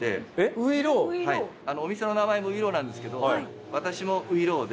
お店の名前も「ういろう」なんですけど私も「外郎」で。